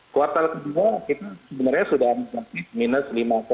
kuartal kedua kita sebenarnya sudah mencapai minus lima lima puluh dua